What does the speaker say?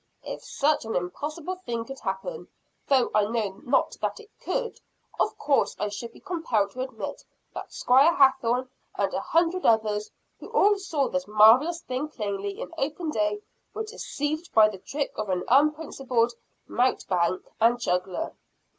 "If such an impossible thing could happen, though I know that it could not, of course I should be compelled to admit that Squire Hathorne and a hundred others, who all saw this marvelous thing plainly, in open day, were deceived by the trick of an unprincipled mountebank and juggler."